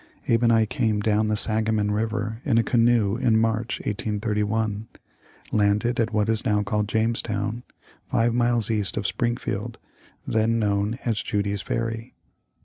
Abe and I came down the Sangamon river in a canoe in March, 1831 ; landed at what is now called Jamestown, five miles east of Springfield, then known as Judy's Ferry."